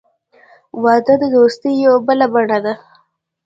• واده د دوستۍ یوه بله بڼه ده.